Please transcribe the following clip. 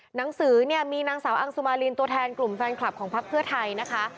หนังสือเนี่ยมีนางสาวอังสุมารินตัวแทนกลุ่มแฟนคลับของพักเพื่อไทยนะคะ